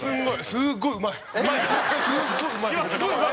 すごいうまい。